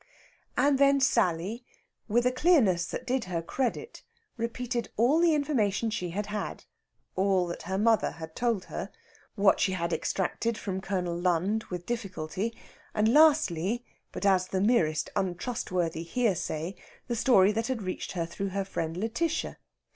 And then Sally, with a clearness that did her credit, repeated all the information she had had all that her mother had told her what she had extracted from Colonel Lund with difficulty and lastly, but as the merest untrustworthy hearsay, the story that had reached her through her friend Lætitia.